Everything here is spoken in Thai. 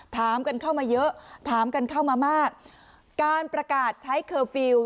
ถามกันเข้ามาเยอะถามกันเข้ามามากการประกาศใช้เคอร์ฟิลล์